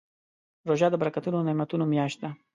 روژه د برکتونو او نعمتونو میاشت ده.